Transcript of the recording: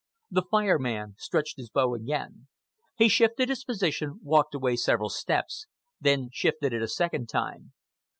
The Fire Man stretched his bow again. He shifted his position, walking away several steps, then shifted it a second time.